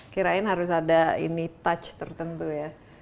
kirain harus ada ini touch tertentu ya